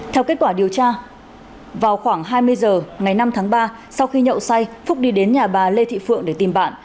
theo kết quả điều tra vào khoảng hai mươi h ngày năm tháng ba sau khi nhậu say phúc đi đến nhà bà lê thị phượng để tìm bạn